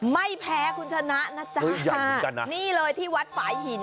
ไม่แพ้คุณชนะนะจ๊ะนี่เลยที่วัดฝ่ายหิน